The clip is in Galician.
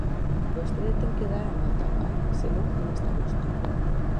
Vostede ten que dar a nota, ¡home!, se non, non está a gusto.